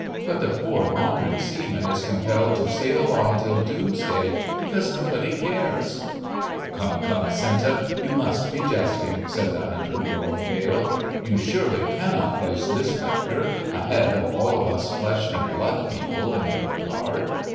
But the poor wandering seaman is compelled to sail on till doomsday because nobody cares." "Come, come, Senta, you must be jesting!" said the hunter growing pale. "You surely cannot place this spectre ahead of all of us flesh and blood people in your regard!"